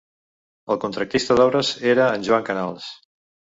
El contractista d'obres era en Joan Canals.